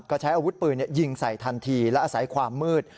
ก็ใช้อาวุธปืนยิงใส่ทันทีและอาศัยความมืด